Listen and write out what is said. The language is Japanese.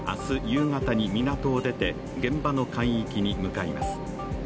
夕方に港を出て現場の海域に向かいます。